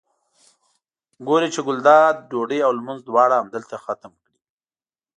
ګوري چې ګلداد ډوډۍ او لمونځ دواړه همدلته ختم کړي.